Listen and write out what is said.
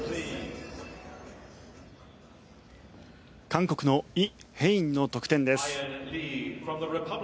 韓国のイ・ヘインの得点です。